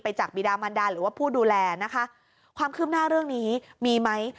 จากบีดามันดาหรือว่าผู้ดูแลนะคะความคืบหน้าเรื่องนี้มีไหม